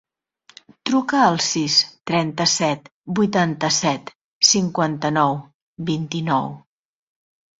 Truca al sis, trenta-set, vuitanta-set, cinquanta-nou, vint-i-nou.